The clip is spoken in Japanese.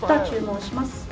注文します。